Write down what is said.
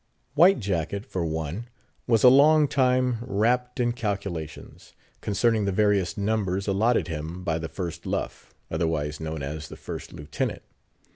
White Jacket, for one, was a long time rapt in calculations, concerning the various "numbers" allotted him by the First Luff, otherwise known as the First Lieutenant.